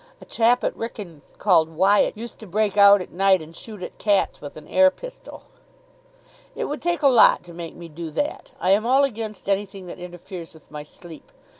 A chap at Wrykyn, called Wyatt, used to break out at night and shoot at cats with an air pistol." "It would take a lot to make me do that. I am all against anything that interferes with my sleep.